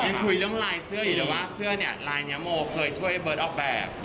ยังคุยเรื่องลายเสื้ออยู่เลยว่าเสื้อเนี่ยลายนี้โมเคยช่วยเบิร์ตออกแบบ